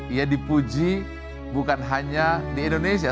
ia dipuji bukan hanya di indonesia